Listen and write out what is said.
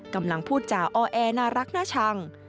กำลังพูดจาอ้อแอน่ารักน่าชัง